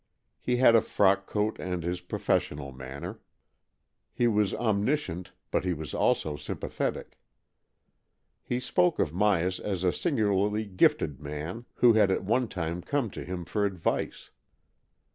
He had a frock coat and his professional manner. He was omni scient, but he was also sympathetic. He spoke of Myas as a singularly gifted man, who had at one time come to him for advice.